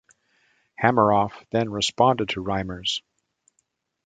Hameroff then responded to Reimers.